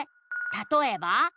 「たとえば？」